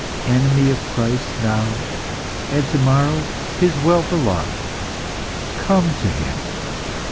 Enemy of Christ now, and to morrow His well beloved, come to Him!